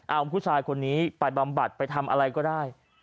เอาผู้ชายคนนี้ไปบำบัดไปทำอะไรก็ได้